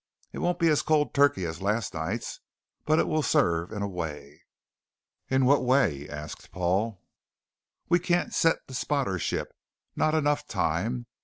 It won't be as cold turkey as last night's, but it will serve in a way." "In what way?" asked Paul. "We can't set the spotter ship. Not enough time.